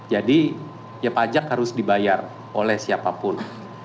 jadi ya pajak harus dibayar oleh siapapun